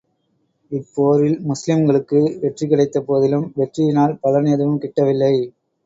இப்போரில், முஸ்லிம்களுக்கு வெற்றி கிடைத்த போதிலும், வெற்றியினால் பலன் எதுவும் கிட்டவில்லை.